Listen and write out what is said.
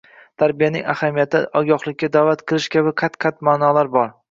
tarbiyaning ahamiyati, ogohlikka da’vat qilish kabi qat-qat ma’nolar bor.